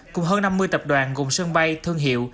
cùng hơn năm mươi tập đoàn gồm sân bay thương hiệu